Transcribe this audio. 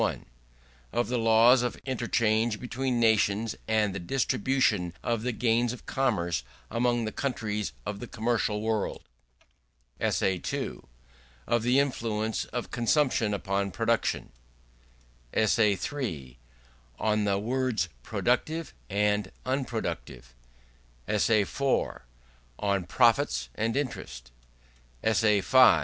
Of the Laws of Interchange between Nations; and the Distribution of the Gains of Commerce among the Countries of the Commercial World ESSAY II. Of the Influence of Consumption upon Production ESSAY III. On the Words Productive and Unproductive ESSAY IV. On Profits, and Interest ESSAY V.